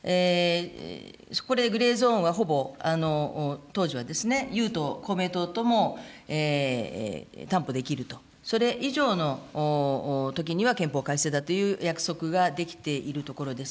そこでグレーゾーンはほぼ当時はですね、ゆう党、公明党とも担保できると、それ以上のときには憲法改正だという約束ができているところです。